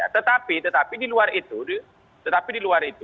tetapi tetapi di luar itu tetapi di luar itu